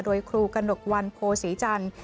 โดยครูกระหนกวันโพศีจันทร์